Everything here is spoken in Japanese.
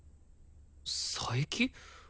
佐伯？